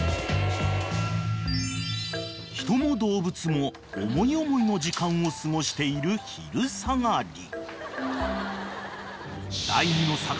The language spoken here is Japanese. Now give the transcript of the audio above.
［人も動物も思い思いの時間を過ごしている昼下がり］